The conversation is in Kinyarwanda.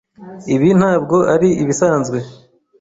Ibi ntabwo ari ibisanzwe.